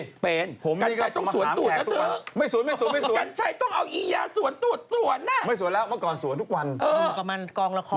คือทำให้แบบว่าเหมือนรำไส้